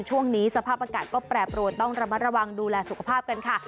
ช่วงนี้สภาพอากาศก็แปรปรวนต้องระมัดระวังดูแลสุขภาพกันค่ะ